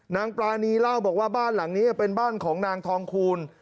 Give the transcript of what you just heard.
นางปรานีเล่าบอกว่าบ้านหลังนี้เป็นบ้านของนางทองคูณ